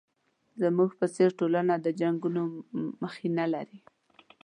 زموږ په څېر ټولنه د جنګونو مخینه لري.